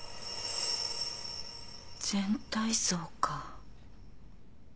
全体像か。